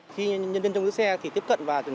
khi nhân dân trong dưới xe thì tiếp cận vào